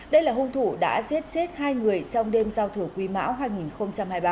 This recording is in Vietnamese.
đây là hung thủ đã giết chết hai người trong đêm giao thừa quý mão hai nghìn hai mươi ba